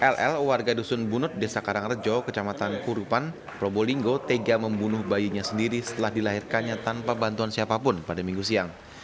ll warga dusun bunut desa karangrejo kecamatan kurupan probolinggo tega membunuh bayinya sendiri setelah dilahirkannya tanpa bantuan siapapun pada minggu siang